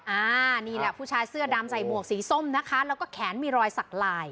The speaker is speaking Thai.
อ่านี่แหละผู้ชายเสื้อดำใส่หมวกสีส้มนะคะแล้วก็แขนมีรอยสักลาย